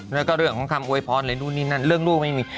แล้วก็เรื่องของเมื่อกี้เรื่องลูกไม่มี